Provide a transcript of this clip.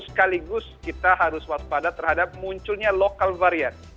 sekaligus kita harus waspada terhadap munculnya lokal varian